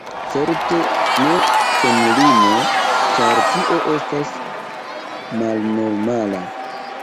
Certe ne senlime, ĉar tio estas malnormala.